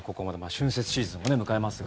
春節シーズンを迎えますが。